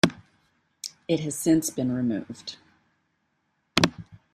It has since been removed.